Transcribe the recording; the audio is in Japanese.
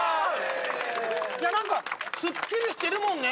なんかスッキリしてるもんね。